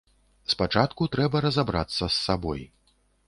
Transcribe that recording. Спачатку трэба разабрацца з сабой.